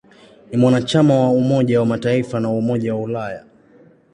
Ni mwanachama wa Umoja wa Mataifa na wa Umoja wa Ulaya.